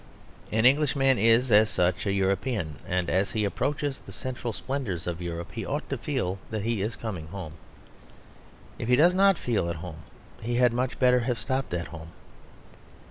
An Englishman is, as such, a European, and as he approaches the central splendours of Europe he ought to feel that he is coming home. If he does not feel at home he had much better have stopped at home.